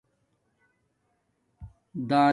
دانہ